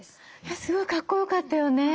すごいかっこよかったよね！